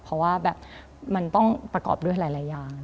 เพราะว่าแบบมันต้องประกอบด้วยหลายอย่าง